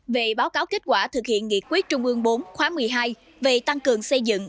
về báo cáo kết quả thực hiện nghị quyết trung ương bốn khóa một mươi hai về tăng cường xây dựng